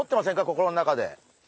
心の中で。